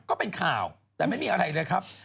ก็เป็นข่าวแต่ไม่มีอะไรเลยครับ